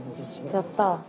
やった。